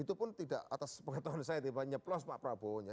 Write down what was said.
itu pun tidak atas pengetahuan saya tiba tiba nyeplos pak prabowo nya